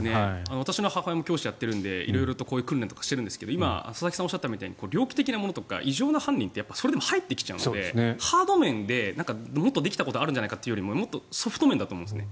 私の母親も教師をやっているので色々とこういう訓練をしているんですが佐々木さんがおっしゃったみたいに猟奇的なものとか異常な犯人ってそれでも入ってきちゃうのでハード面でもっとできたことがあるんじゃないかというよりソフト面だと思うんです。